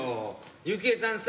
幸恵さんさ